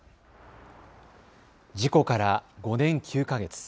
事故から５年９か月。